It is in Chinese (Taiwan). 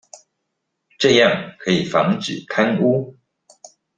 這樣可以防止貪污